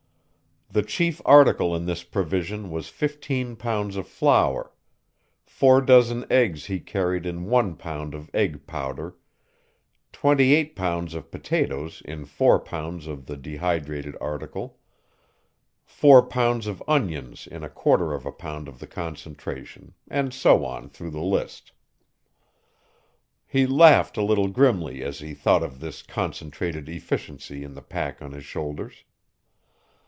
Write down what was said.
The chief article in this provision was fifteen pounds of flour; four dozen eggs he carried in one pound of egg powder; twenty eight pounds of potatoes in four pounds of the dehydrated article; four pounds of onions in a quarter of a pound of the concentration, and so on through the list. He laughed a little grimly as he thought of this concentrated efficiency in the pack on his shoulders.